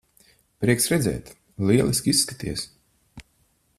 Prieks redzēt. Lieliski izskaties.